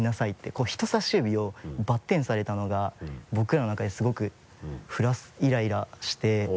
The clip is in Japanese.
こう人さし指をバッテンされたのが僕らの中ですごくイライラして。